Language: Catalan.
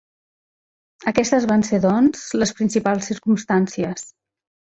Aquestes van ser doncs, les principals circumstàncies.